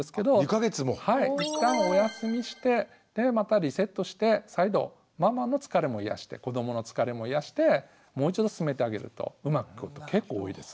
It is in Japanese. はい一旦お休みしてまたリセットして再度ママの疲れも癒やして子どもの疲れも癒やしてもう一度進めてあげるとうまくいくこと結構多いです。